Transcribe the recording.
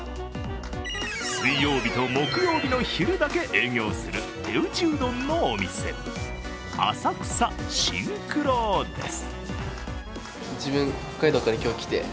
水曜日と木曜日の昼だけ営業する手打ちうどんのお店、浅草真九郎です。